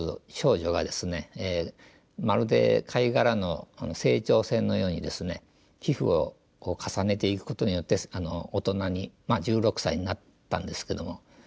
まるで貝殻の成長線のようにですね皮膚を重ねていくことによって大人に１６歳になったんですけども。